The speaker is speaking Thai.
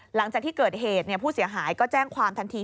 หลังจากที่เกิดเหตุผู้เสียหายก็แจ้งความทันที